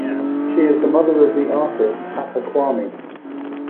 She is the mother of the artist Atta Kwami.